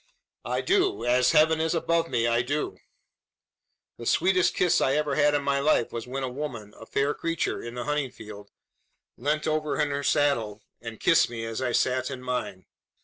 "I do! As heaven is above me, I do!" The sweetest kiss I ever had in my life, was when a woman a fair creature, in the hunting field leant over in her saddle and kissed me as I sate in mine.